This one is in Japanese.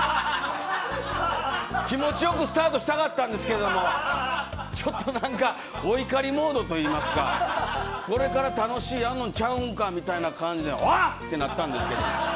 気持ちよくスタートしたかったんですけどもちょっとお怒りモードといいますかこれから楽しいのやんのちゃうのかというような感じでおっとなったんですけど。